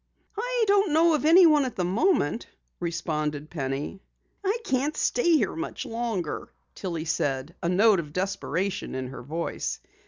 "I don't know of anyone at the moment," responded Penny. "I can't stay here much longer," Tillie said, a note of desperation in her voice.